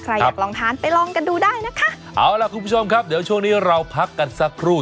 อยากลองทานไปลองกันดูได้นะคะเอาล่ะคุณผู้ชมครับเดี๋ยวช่วงนี้เราพักกันสักครู่